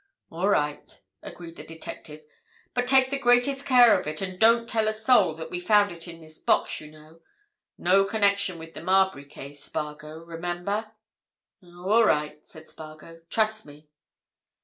"All right," agreed the detective, "but take the greatest care of it, and don't tell a soul that we found it in this box, you know. No connection with the Marbury case, Spargo, remember." "Oh, all right," said Spargo. "Trust me."